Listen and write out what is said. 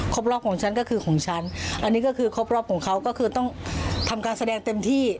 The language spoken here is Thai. รอบของฉันก็คือของฉันอันนี้ก็คือครบรอบของเขาก็คือต้องทำการแสดงเต็มที่